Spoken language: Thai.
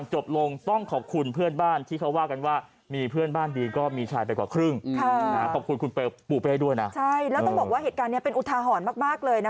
เหตุการณ์มันเกิดขึ้นที่บุรุรัม